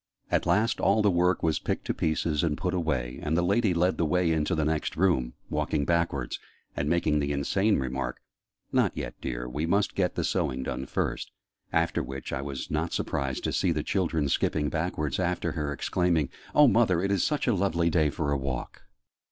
At last all the work was picked to pieces and put away, and the lady led the way into the next room, walking backwards, and making the insane remark "Not yet, dear: we must get the sewing done first." After which, I was not surprised to see the children skipping backwards after her, exclaiming "Oh, mother, it is such a lovely day for a walk!"